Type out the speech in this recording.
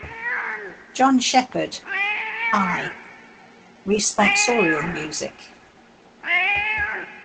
"John Sheppard: I: Responsorial Music".